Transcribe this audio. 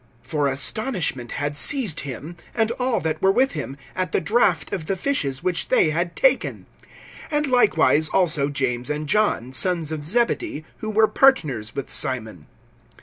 (9)For astonishment had seized him, and all that were with him, at the draught of the fishes which they had taken; (10)and likewise also James and John, sons of Zebedee, who were partners with Simon.